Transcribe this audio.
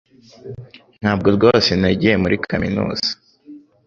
Ntabwo rwose nagiye muri kaminuza